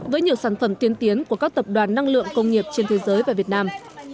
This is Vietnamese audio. với nhiều sản phẩm tiên tiến của các tập đoàn năng lượng công nghiệp trên thế giới và việt nam